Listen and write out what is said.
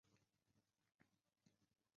比埃什河畔阿普尔人口变化图示